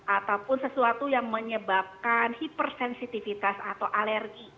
ataupun sesuatu yang menyebabkan hipersensitivitas atau alergi